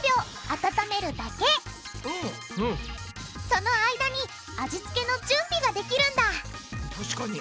その間に味付けの準備ができるんだ確かに。